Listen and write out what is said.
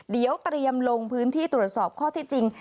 เดี๋ยวเตรียมลงพื้นที่ตรวจสอบข้อที่จริง